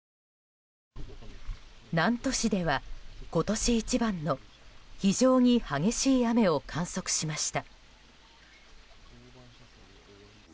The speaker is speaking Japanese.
南砺市では今年一番の非常に激しい雨を観測しました。